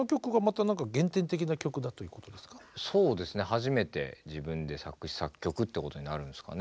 初めて自分で作詞作曲ってことになるんですかね